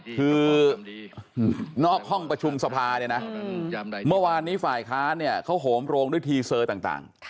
คือนอกห้องประชุมสภาเนี่ยนะเมื่อวานนี้ฝ่ายค้านเนี่ยเขาโหมโรงด้วยทีเซอร์ต่าง